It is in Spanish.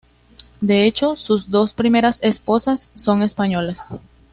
De hecho, sus dos primeras esposas son españolas.